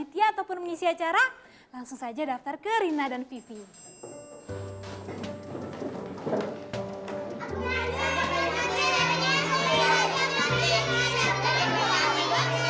menjadi panitia ataupun mengisi acara langsung saja daftar ke rina dan vivi